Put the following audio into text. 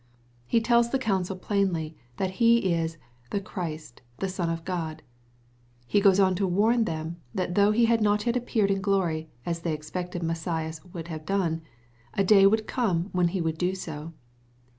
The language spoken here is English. He tells the council plainly that He is " the Christ, the Son of God." /He goes on to warn them that though He had not yet appeared in glory, as they expected Messias would have done, a day would come when he would do so.